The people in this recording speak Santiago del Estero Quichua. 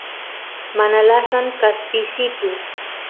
mana lasan kaspisitu